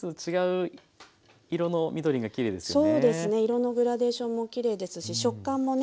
色のグラデーションもきれいですし食感もね